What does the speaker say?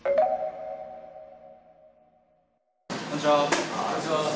こんにちは。